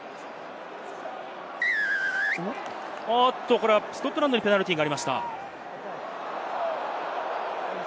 これはスコットランドにペナルティーがありました。